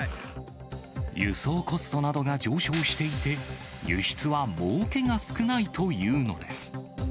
輸送コストなどが上昇していて、輸出はもうけが少ないというのです。